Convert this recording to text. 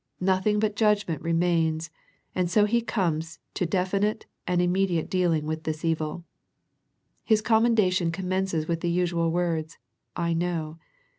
Nothing but judgment re mains, and so He comes to definite and imme diate dealing with this evil. His commendation commences with the usual words, " I know."